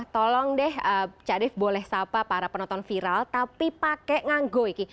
tolong deh cak dave boleh sapa para penonton viral tapi pakai nganggo ini